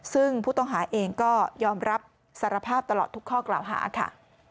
ซึ่งผู้ต้องหาเองก็ยอมรับสารภาพตลอดทุกข้อกล่าวหาค่ะ